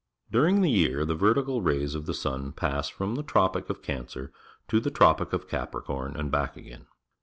During the year the vertical rays of the sun pass from the Tropic of Cancer to the Tropic of Capricorn and back again.